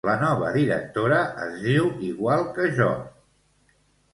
La nova directora es diu igual que jo!